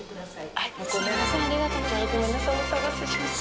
ありがとうございます。